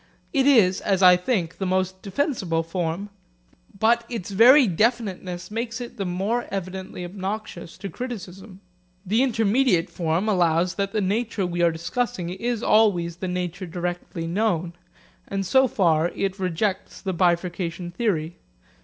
It is, as I think, the most defensible form. But its very definiteness makes it the more evidently obnoxious to criticism. The intermediate form allows that the nature we are discussing is always the nature directly known, and so far it rejects the bifurcation theory.